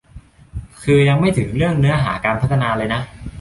คือยังไม่ถึงเรื่องเนื้อหาการพัฒนาเลยนะ